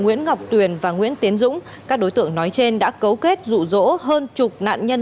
nguyễn ngọc tuyền và nguyễn tiến dũng các đối tượng nói trên đã cấu kết rụ rỗ hơn chục nạn nhân